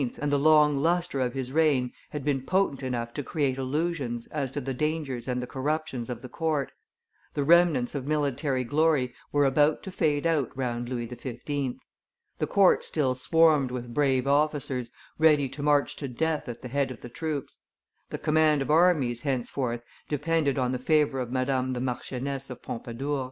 and the long lustre of his reign had been potent enough to create illusions as to the dangers and the corruptions of the court; the remnants of military glory were about to fade out round Louis XV.; the court still swarmed with brave officers, ready to march to death at the head of the troops; the command of armies henceforth depended on the favor of Madame the Marchioness of Pompadour.